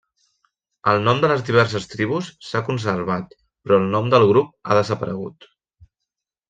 El nom de les diverses tribus s'ha conservat però el nom del grup ha desaparegut.